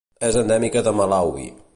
És endèmica de Malawi.